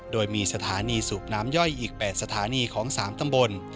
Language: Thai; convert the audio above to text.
โดยมีสถานีสูบน้ำย่อยอีก๘สถานีของ๓ตำบล